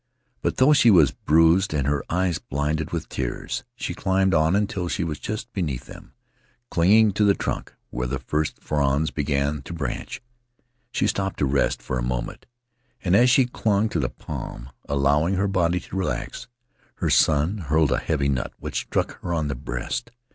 But though she was bruised and her eyes blinded with tears, she climbed on until she was just beneath them, clinging to the trunk where the first fronds begin to branch. She stopped to rest for a mo ment, and as she clung to the palm, allowing her body to relax, her son hurled a heavy nut which struck her on the breast.